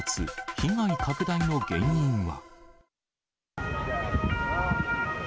被害拡大の原因は。